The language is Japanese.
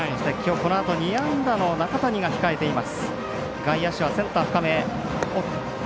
このあとに２安打の中谷が控えています。